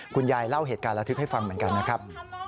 คุณยายเล่าเหตุการณ์แล้วที่ให้ฟังเหมือนกันนะครับ